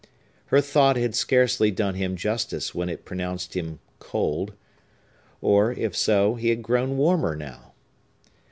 Her thought had scarcely done him justice when it pronounced him cold; or, if so, he had grown warmer now.